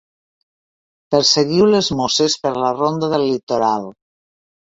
Perseguiu les mosses per la Ronda del Litoral.